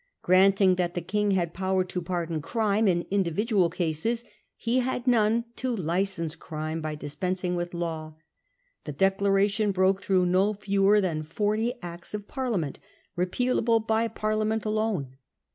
Granting that the King had power to pardon crime in individual cases, he had none to license crime by dispensing with law. The Declaration broke through no fewer than forty Acts of Parliament, repealable by Parliament alone.